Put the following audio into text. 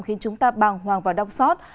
khiến chúng ta bàng hoàng và đọc sót